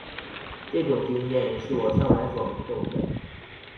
這種經驗是我向來所沒有的